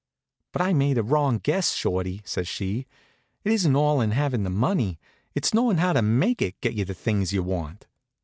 "But I made a wrong guess, Shorty," says she. "It isn't all in having the money; it's in knowing how to make it get you the things you want."